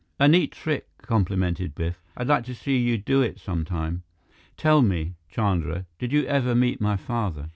"A neat trick," complimented Biff. "I'd like to see you do it some time. Tell me, Chandra, did you ever meet my father?"